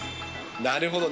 なるほど。